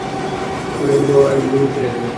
ঘরে গেলে, বউ আরেকদিকে মুখ ফিরিয়ে থাকে।